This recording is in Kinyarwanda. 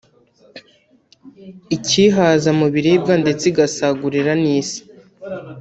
ikihaza mu biribwa ndetse igasagurira n’Isi